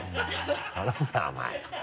頼むなお前。